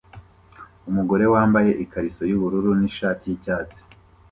Umugore wambaye ikariso yubururu nishati yicyatsi